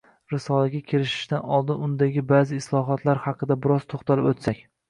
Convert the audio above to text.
Risolaga kirishishdan oldin undagi ba'zi istilohlar haqida biroz to‘xtalib o‘tsak